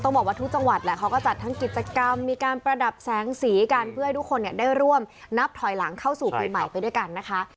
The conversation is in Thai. บอกว่าทุกจังหวัดแหละเขาก็จัดทั้งกิจกรรมมีการประดับแสงสีกันเพื่อให้ทุกคนได้ร่วมนับถอยหลังเข้าสู่ปีใหม่ไปด้วยกันนะคะ